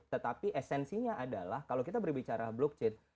tetapi esensinya adalah kalau kita berbicara blockchain